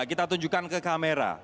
kita tunjukkan ke kamera